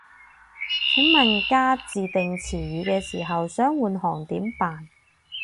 請問加自訂詞語嘅時候，想換行點辦